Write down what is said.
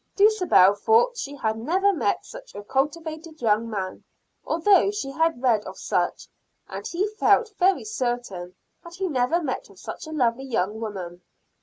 Dulcibel thought she had never met such a cultivated young man, although she had read of such; and he felt very certain that he never met with such a lovely young woman.